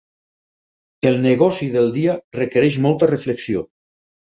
El negoci del dia requereix molta reflexió.